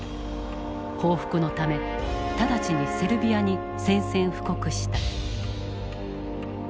報復のため直ちにセルビアに宣戦布告した。